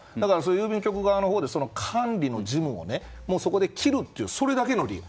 郵便局側のほうで管理の義務を切るというそれだけの理由。